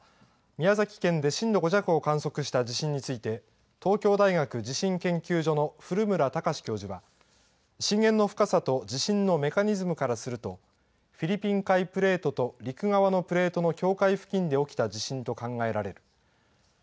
宮崎県で震度５弱を観測した地震について、東京大学地震研究所のふるむらたかし教授は、震源の深さと地震のメカニズムからすると、フィリピン海プレートと陸側のプレートの境界付近で起きた地震と考えられる。